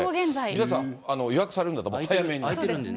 皆さん、予約されるんだったら早めに。